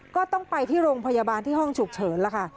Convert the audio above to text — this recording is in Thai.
ก็ต้องไปที่โรงพยาบาลที่ห้องฉุกเฉินล่ะค่ะ